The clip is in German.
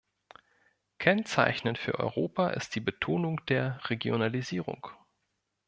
Kennzeichnend für Europa ist die Betonung der Regionalisierung.